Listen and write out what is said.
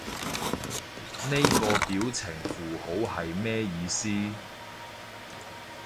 呢個表情符號係咩意思？